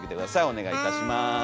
お願いいたします。